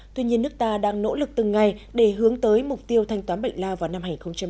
tuy nhiên nước ta đang nỗ lực từng ngày để hướng tới mục tiêu thanh toán bệnh lao vào năm hai nghìn ba mươi